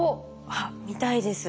あっ見たいです。